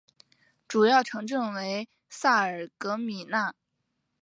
主要城镇为萨尔格米讷。